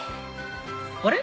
あれ？